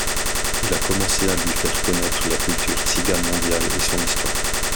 Il a commencé à lui faire connaître la culture tzigane mondiale et son histoire.